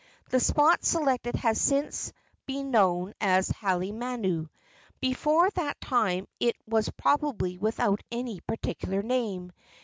The spot selected has since been known as Halemanu. Before that time it was probably without any particular name.